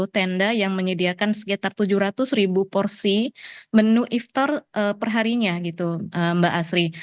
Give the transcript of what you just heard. sepuluh tenda yang menyediakan sekitar tujuh ratus ribu porsi menu iftar perharinya gitu mbak asri